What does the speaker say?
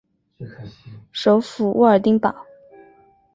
首府沃尔丁堡。